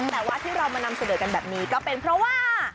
แต่ว่าที่เรามานำเสนอกันแบบนี้ก็เป็นเพราะว่า